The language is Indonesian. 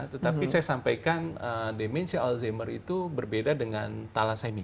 tetapi saya sampaikan demensia alzheimer itu berbeda dengan thalassemia